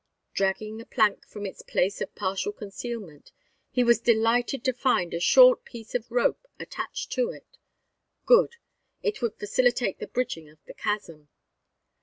Dragging the plank from its place of partial concealment, he was delighted to find a short piece of rope attached to it. Good; it would facilitate the bridging of the chasm.